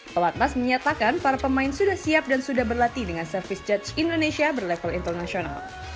pelatnas menyatakan para pemain sudah siap dan sudah berlatih dengan service judge indonesia berlevel internasional